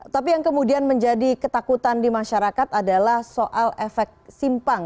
tapi yang kemudian menjadi ketakutan di masyarakat adalah soal efek simpang